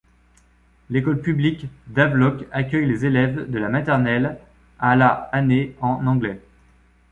L'école publique d'Havelock accueille les élèves de la maternelle à la année en anglais.